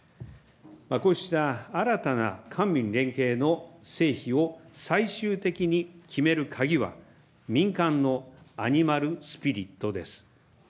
こうした新たな官民連携の成否を最終的に決める鍵は、民間のアニマルスピリットです。